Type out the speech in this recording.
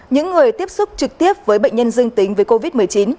những người tiếp xúc trực tiếp với bệnh nhân dương tính với covid một mươi chín